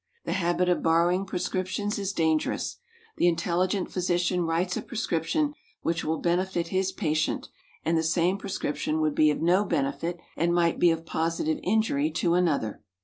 The habit of borrowing prescriptions is dangerous. The intelligent physician writes a prescription, which will benefit his patient, and the same prescription would be of no benefit, and might be of positive injury, to another.